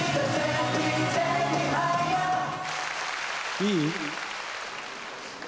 いい？